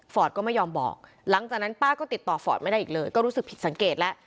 ก็ไม่ยอมบอกหลังจากนั้นป้าก็ติดต่อฟอร์ตไม่ได้อีกเลยก็รู้สึกผิดสังเกตแล้ว